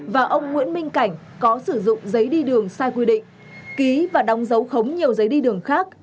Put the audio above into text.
và ông nguyễn minh cảnh có sử dụng giấy đi đường sai quy định ký và đóng dấu khống nhiều giấy đi đường khác